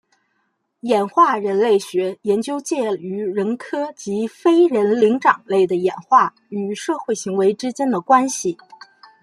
演化人类学研究介于人科及非人灵长类的演化与社会行为之间的关系。